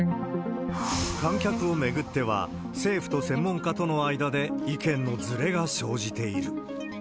観客を巡っては、政府と専門家との間で意見のずれが生じている。